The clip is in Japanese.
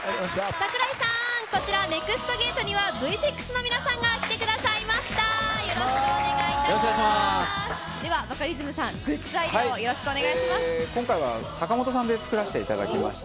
櫻井さん、こちら、ＮＥＸＴゲートには、Ｖ６の皆さんが来てくださいました。